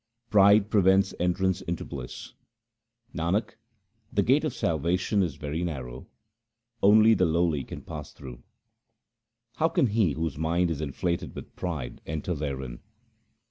Pride prevents entrance into bliss :— Nanak, the gate of salvation is very narrow ; only the lowly can pass through. How can he whose mind is inflated with pride enter therein